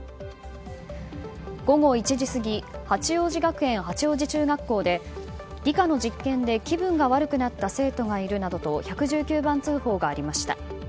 午後１時過ぎ八王子学園八王子中学校で理科の実験で気分が悪くなった生徒がいるなどと１１９番通報がありました。